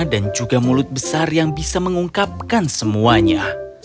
dan juga mulut besar yang bisa mengungkapkan semuanya